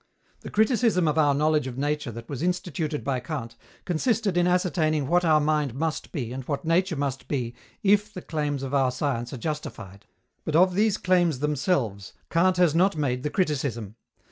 The criticism of our knowledge of nature that was instituted by Kant consisted in ascertaining what our mind must be and what Nature must be if the claims of our science are justified; but of these claims themselves Kant has not made the criticism.